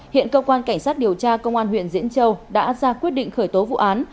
hiện cơ quan cảnh sát điều tra công an huyện diễn châu đã ra quyết định khởi tố vụ án